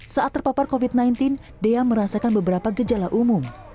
saat terpapar covid sembilan belas dea merasakan beberapa gejala umum